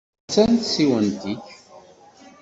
Ha-tt-an tsiwant-ik.